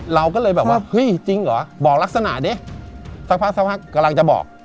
เราก็เลยแบบว่าเฮ้ยจริงเหรอบอกลักษณะดิสักพักสักพักกำลังจะบอก